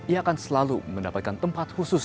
ia akan selalu mendapatkan tempat khusus